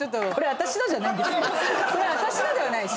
私のではない。